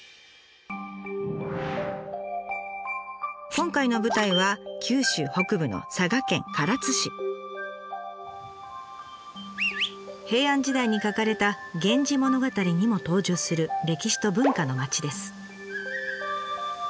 今回の舞台は九州北部の平安時代に書かれた「源氏物語」にも登場する歴史と文化の町です。